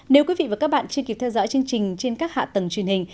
nếu quý vị và các bạn chưa kịp theo dõi chương trình trên các hạ tầng truyền hình